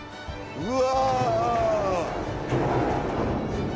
うわ！